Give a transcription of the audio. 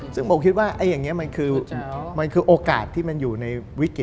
ซึ่งผมคิดว่าอย่างนี้มันคือมันคือโอกาสที่มันอยู่ในวิกฤต